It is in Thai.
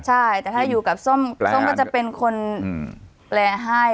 แต่ถ้าอยู่กับซ่อมซ่อมก็จะเป็นคนแปลให้